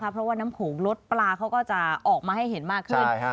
เพราะว่าน้ำโขงลดปลาเขาก็จะออกมาให้เห็นมากขึ้น